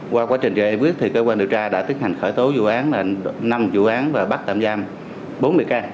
qua quá trình giải quyết thì cơ quan điều tra đã tiết hành khởi tố vụ án là năm vụ án và bắt tạm giam bốn mươi can